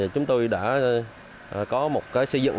chúng tôi đã có một cơ sở diễn